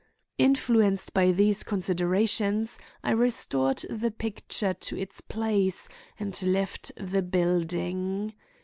Influenced by these considerations, I restored the picture to its place, and left the building.